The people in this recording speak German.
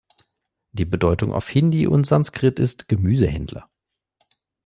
Die Bedeutung auf Hindi und Sanskrit ist „Gemüsehändler“.